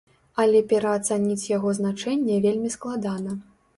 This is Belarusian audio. Але пераацаніць яго значэнне вельмі складана.